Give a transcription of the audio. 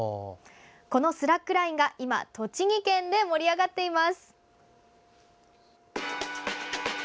このスラックラインが今栃木県で盛り上がっています。